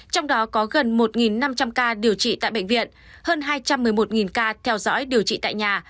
trong đó có gần một năm trăm linh ca điều trị tại bệnh viện hơn hai trăm một mươi một ca theo dõi điều trị tại nhà